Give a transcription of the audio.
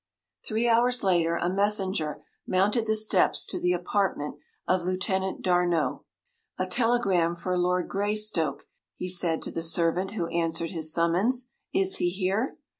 ” Three hours later a messenger mounted the steps to the apartment of Lieutenant D’Arnot. “A telegram for Lord Greystoke,” he said to the servant who answered his summons. “Is he here?